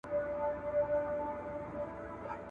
د کلتوري اړیکو پراختیا د ولسونو ترمنځ باور زیاتوي.